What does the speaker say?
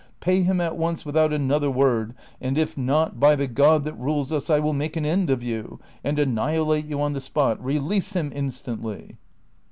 Pay him at once without another word ; if not, by tlie God that rules us I Avill make an end of you, and annihilate you on the spot ; release him instantly."